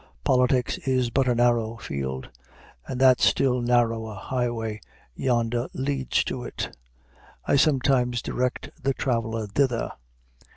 Politics is but a narrow field, and that still narrower highway yonder leads to it. I sometimes direct the traveler thither.